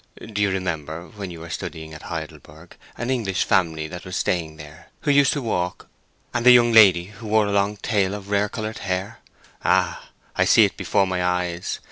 Do you remember, when you were studying at Heidelberg, an English family that was staying there, who used to walk—" "And the young lady who wore a long tail of rare colored hair—ah, I see it before my eyes!